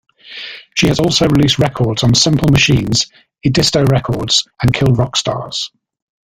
She has also released records on Simple Machines, Edisto Records, and Kill Rock Stars.